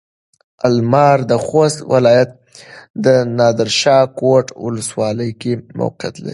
المره د خوست ولايت نادرشاه کوټ ولسوالۍ کې موقعيت لري.